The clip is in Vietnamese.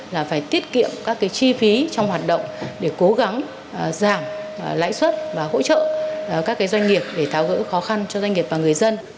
là phải tiết kiệm các cái chi phí trong hoạt động để cố gắng giảm lãi suất và hỗ trợ các doanh nghiệp để tháo gỡ khó khăn cho doanh nghiệp và người dân